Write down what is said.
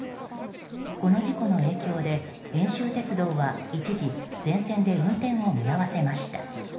この事故の影響で遠州鉄道は一時全線で運転を見合わせました。